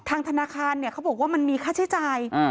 ทางธนาคารเนี่ยเขาบอกว่ามันมีค่าใช้จ่าย